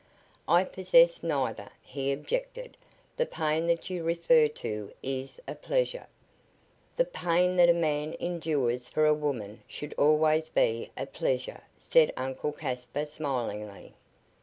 "I possess neither," he objected. "The pain that you refer to is a pleasure." "The pain that a man endures for a woman should always be a pleasure," said Uncle Caspar smilingly.